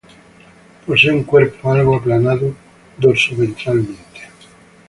Posee un cuerpo algo aplanado dorsoventralmente.